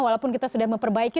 walaupun kita sudah memperbaiki